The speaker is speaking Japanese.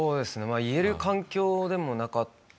まあ言える環境でもなかったんで。